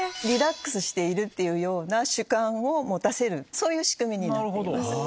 そういう仕組みになっています。